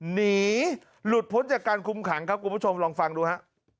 หนีหลุดพ้นจากการคุมขังครับคุณผู้ชมลองฟังดูฮะ